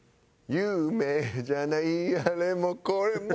「夢じゃないあれもこれも」